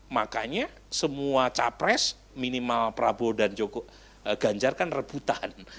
makanya semua capres minimal prabowo dan ganjar kan rebutan